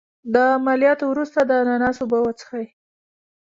د عملیات وروسته د اناناس اوبه وڅښئ